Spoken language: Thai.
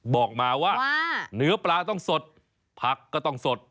บอกมาว่าเนื้อปลาต้องสดผักก็ต้องสด